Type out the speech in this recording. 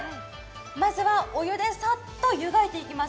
まずはお湯でさっとゆがいていきます。